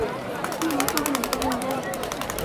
例如促进武器进入该地区。